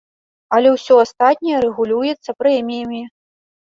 Але ўсё астатняе рэгулюецца прэміямі.